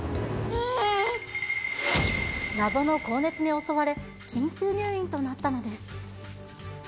謎の高熱に襲われ、緊急入院となったのです。